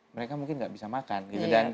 mereka mungkin gak bisa makan gitu